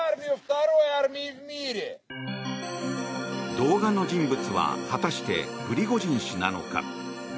動画の人物は果たして、プリゴジン氏なのか。